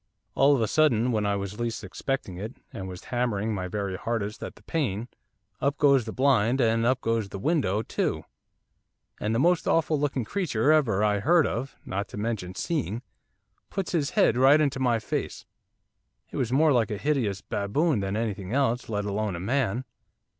'All of a sudden, when I was least expecting it, and was hammering my very hardest at the pane, up goes the blind, and up goes the window too, and the most awful looking creature ever I heard of, not to mention seeing, puts his head right into my face, he was more like a hideous baboon than anything else, let alone a man.